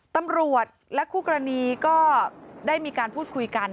ตำรวจและคู่กรณีก็ได้มีการพูดคุยกัน